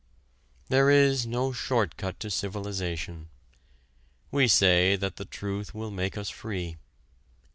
There is no short cut to civilization. We say that the truth will make us free.